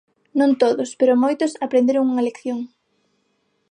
Non todos, pero moitos aprenderon unha lección.